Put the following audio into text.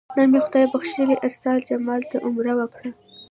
نن مې خدای بښلي ارسلا جمال ته عمره وکړه.